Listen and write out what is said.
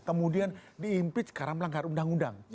kemudian diimpeach karena melanggar undang undang